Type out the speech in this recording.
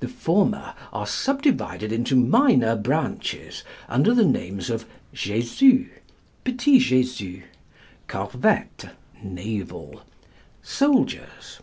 The former are subdivided into minor branches, under the names of jésus, petits jésus, corvettes (naval), soldiers.